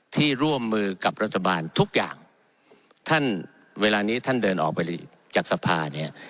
ร่วมมือกับรัฐบาลทุกอย่างท่านเวลานี้ท่านเดินออกไปจากสภาเนี่ย